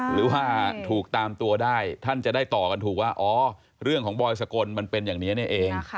หรือว่าถูกตามตัวได้ท่านจะได้ต่อกันถูกว่าอ๋อเรื่องของบอยสกลมันเป็นอย่างนี้เนี่ยเอง